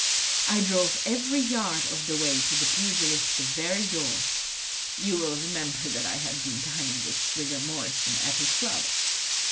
I drove every yard of the way to the pugilist's very door. You will remember that I had been dining with Swigger Morrison at his club.